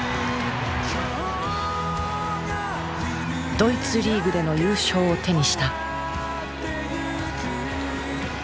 ドイツリーグでの優勝を手にした。